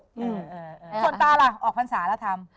สนตาล่ะออกฟันศาแล้วทำ